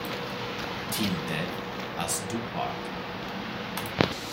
Till Death Us Do Part